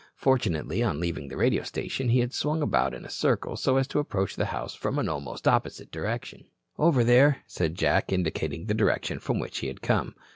Fortunately, on leaving the radio station, he had swung about in a circle, so as to approach the house from an almost opposite direction. "Over there," said Jack, indicating the direction from which he had come.